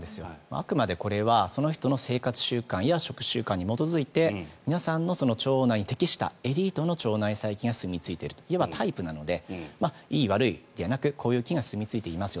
あくまでこれはその人の生活習慣や食習慣に基づいて皆さんの腸内に適したエリートの腸内細菌がすみ着いていると要はタイプなのでよい悪いじゃなくこういう菌がすみ着いてますよ